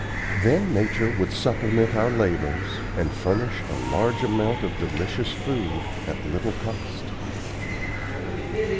Then nature would supplement our labors, and furnish a large amount of delicious food at little cost."